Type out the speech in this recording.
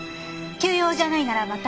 急用じゃないならまた。